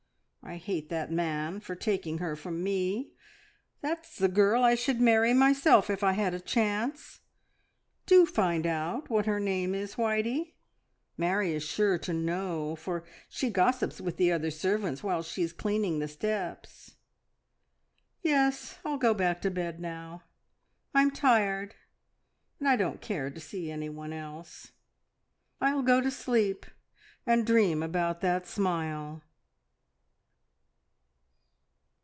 I hate that man for taking her from me! That's the girl I should marry myself if I had a chance. Do find out what her name is, Whitey. Mary is sure to know, for she gossips with the other servants while she is cleaning the steps. Yes, I'll go back to bed now. I'm tired, and I don't care to see anyone else. I'll go to sleep and dream about that smile!"